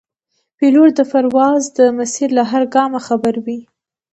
پیلوټ د پرواز د مسیر له هر ګامه خبر وي.